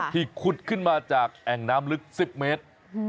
ขุดขึ้นมาจากแอ่งน้ำลึก๑๐เมตร